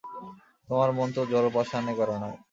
তোমার মন তো জড় পাষাণে গড়া নয়।